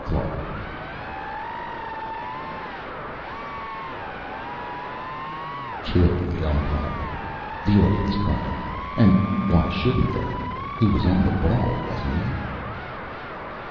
CLARKE "Kill the umpire!" the audience cried — and why shouldn't they? He was on the ball, wasn't he?